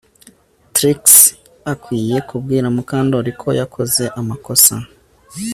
Trix akwiye kubwira Mukandoli ko yakoze amakosa